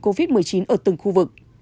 covid một mươi chín ở từng khu vực